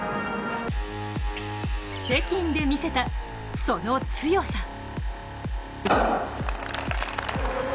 北京で見せたその強さ。